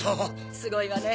すごいわね。